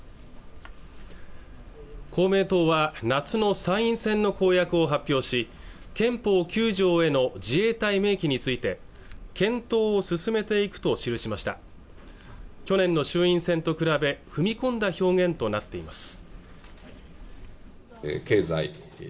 公明党は夏の参院選の公約を発表し憲法９条への自衛隊明記について検討を進めていくと記しました去年の衆院選と比べ踏み込んだ表現となっています